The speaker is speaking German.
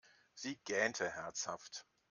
Sie gähnte herzhaft.